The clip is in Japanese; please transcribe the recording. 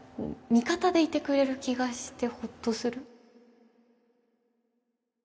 味方でいてくれる気がしてホッとする